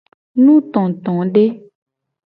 Nutotode.